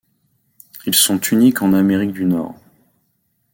Ils sont uniques en Amérique du Nord.